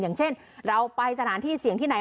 อย่างเช่นเราไปสถานที่เสี่ยงที่ไหน